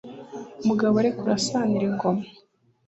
Mugabo reka urasanire ingoma